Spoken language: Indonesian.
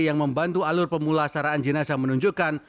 yang membantu alur pemula saraan jenazah menunjukkan